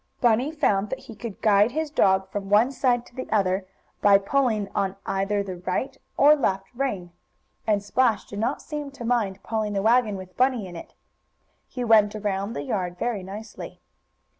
Bunny found that he could guide his dog from one side to the other by pulling on either the right or left rein. And Splash did not seem to mind pulling the wagon with Bunny in it. He went around the yard very nicely.